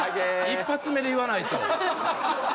１発目で言わないと。